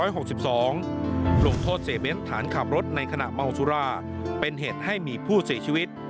ลงโทษเสเบ้นฐานขับรถในขณะเมาสุราเป็นเหตุให้มีผู้เสียชีวิต